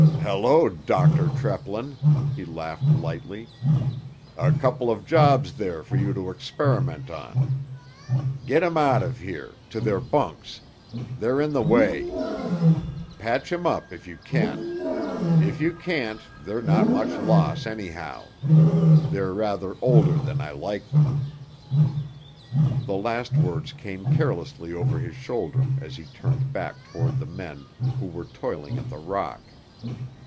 "Hello, Dr. Treplin," he laughed lightly. "A couple of jobs there for you to experiment on. Get 'em out of here—to their bunks; they're in the way. Patch 'em up if you can. If you can't they're not much loss, anyhow. They're rather older than I like 'em." The last words came carelessly over his shoulder as he turned back toward the men who were toiling at the rock.